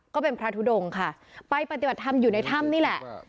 ก็เป็นพระทุดงค่ะไปปฏิบัติธรรมอยู่ในถ้ำนี่แหละ